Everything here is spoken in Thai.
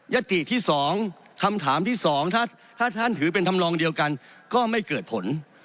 ติที่๒คำถามที่๒ถ้าท่านถือเป็นทำลองเดียวกันก็ไม่เกิดผล